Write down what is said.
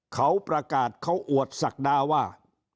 เขาประกาศเขาอวดศักดาว่า